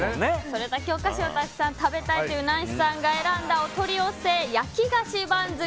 それだけお菓子をたくさん食べたいというナンシさんが選んだお取り寄せ焼き菓子番付。